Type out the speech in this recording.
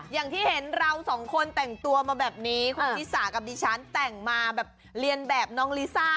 อย่างที่เห็นเราสองคนแต่งตัวมาแบบนี้คุณชิสากับดิฉันแต่งมาแบบเรียนแบบน้องลิซ่า